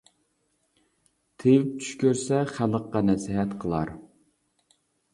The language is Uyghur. تېۋىپ چۈش كۆرسە، خەلققە نەسىھەت قىلار.